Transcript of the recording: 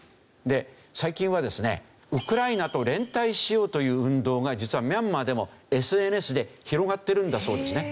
最近はですねウクライナと連帯しようという運動が実はミャンマーでもＳＮＳで広がってるんだそうですね。